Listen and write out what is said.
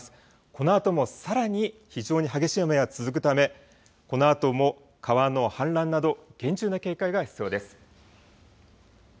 このこのあともさらに非常に激しい雨が続くためこのあとも川の氾濫など厳重な警戒が必要です。